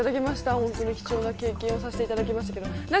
本当に貴重な経験をさせていただきました。